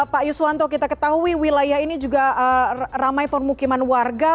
pak yuswanto kita ketahui wilayah ini juga ramai permukiman warga